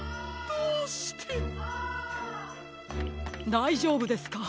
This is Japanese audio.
だいじょうぶですか？